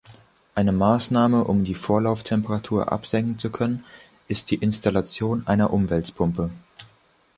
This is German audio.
Eine Maßnahme, um die Vorlauftemperatur absenken zu können, ist die Installation einer Umwälzpumpe.